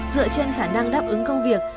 dựa trên khả năng đáp ứng công việc